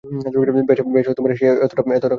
বেশ, সে অতোটা খারাপ নাও হতে পারে।